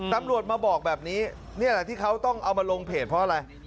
ตำรวจมาบอกแบบนี้นี่แหละที่เขาต้องเอามาลงเพจเพราะอะไร